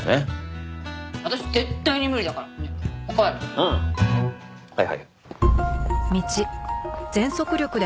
うんはいはい。